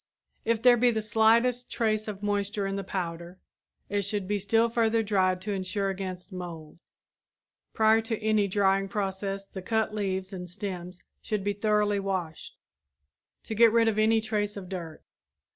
If there be the slightest trace of moisture in the powder, it should be still further dried to insure against mold. Prior to any drying process the cut leaves and stems should be thoroughly washed, to get rid of any trace of dirt.